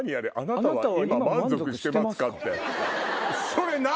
それ何？